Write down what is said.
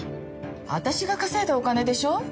私が稼いだお金でしょ？